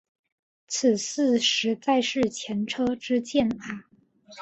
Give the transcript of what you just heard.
此事实在是前车可鉴啊。